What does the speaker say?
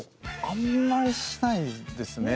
あんまりしないですね。